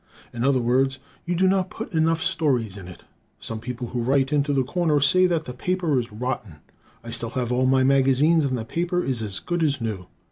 In other words, you do not put enough stories in it. Some people who write in to the "Corner" say that the paper is rotten. I still have all my magazines, and the paper is as good as new.